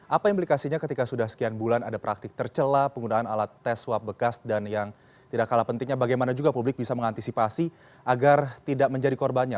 apa implikasinya ketika sudah sekian bulan ada praktik tercelah penggunaan alat tes swab bekas dan yang tidak kalah pentingnya bagaimana juga publik bisa mengantisipasi agar tidak menjadi korbannya